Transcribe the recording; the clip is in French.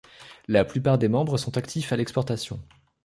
La plupart des membres sont actifs à l'exportation.